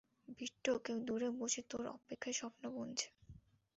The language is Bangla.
বিট্টো, কেউ দূরে বসে, তোর অপেক্ষায়, স্বপ্ন বুনছে।